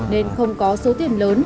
nên không có số tiền lớn